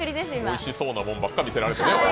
おいしそうなものばっかり見せられてね。